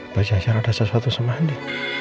bacaan siang ada sesuatu sama andi